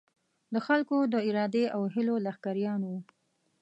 د خلکو د ارادې او هیلو لښکریان وو.